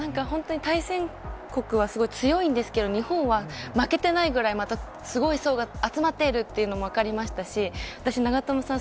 対戦国はすごい強いんですけど日本は負けてないぐらいすごい層が集まっているのも分かりましたし私、長友さん